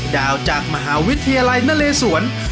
ดาวน์จากมหาวิทยาลัยนาเลสวน